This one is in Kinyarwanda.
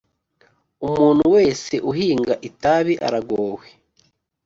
Umuntu wese uhinga itabi aragowe.